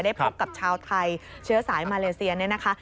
พบกับชาวไทยเชื้อสายมาเลเซียเนี่ยนะคะ